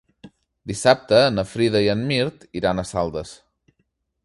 Dissabte na Frida i en Mirt iran a Saldes.